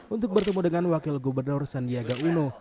untuk bertemu dengan wakil gubernur sandiaga uno